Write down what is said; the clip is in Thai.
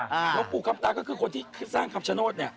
หลวงปู่คำตาก็คือคนที่สร้างคำชโนธเนี่ย